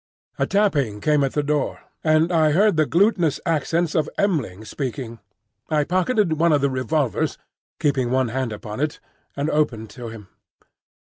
A tapping came at the door, and I heard the glutinous accents of M'ling speaking. I pocketed one of the revolvers (keeping one hand upon it), and opened to him.